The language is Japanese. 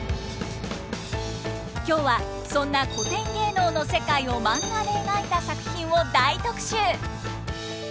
今日はそんな古典芸能の世界をマンガで描いた作品を大特集！